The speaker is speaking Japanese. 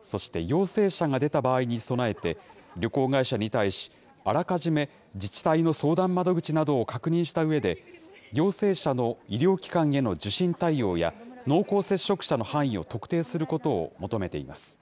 そして、陽性者が出た場合に備えて、旅行会社に対し、あらかじめ自治体の相談窓口などを確認したうえで、陽性者の医療機関への受診対応や濃厚接触者の範囲を特定することを求めています。